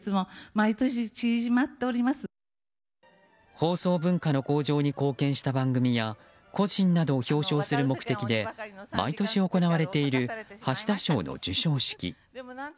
放送文化の向上に貢献した番組や個人などを表彰する目的で毎年行われている橋田賞の授賞式。